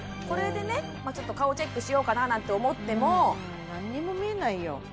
これでねちょっと顔チェックしようかななんて思っても何にも見えないよ